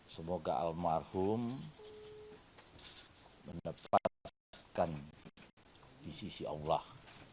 semoga almarhum mendapatkan di sisi allah